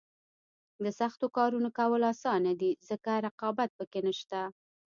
د سختو کارونو کول اسانه دي ځکه رقابت پکې نشته.